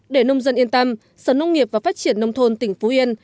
để nông dân yên tâm sở nông nghiệp và phát triển nông thôn tỉnh phú yên